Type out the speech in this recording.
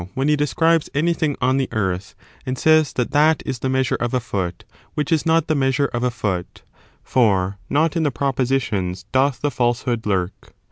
357 80 when he describes anything on the earth, and says that that is the measure of a foot which is not the measure of a foot; for not in the propositions^ doth the &]sehood lurk.